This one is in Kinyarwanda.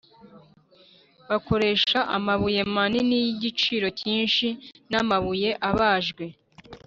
bakoresha amabuye manini y’igiciro cyinshi n amabuye abajwe